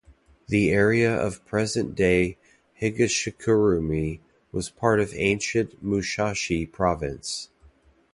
The area of present-day Higashikurume was part of ancient Musashi Province.